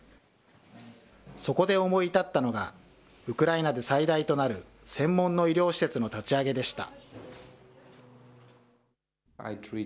そこで思い至ったのがウクライナで最大となる専門の医療施設の立ち上げでした。